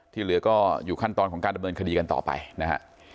เหลือก็อยู่ขั้นตอนของการดำเนินคดีกันต่อไปนะฮะ